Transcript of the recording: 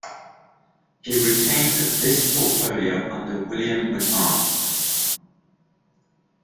He retained this portfolio under William McMahon.